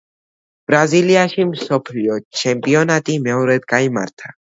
ბრაზილიაში მსოფლიო ჩემპიონატი მეორედ გაიმართა.